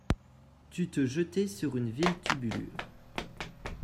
Tu te jetais sur une vile tubulure!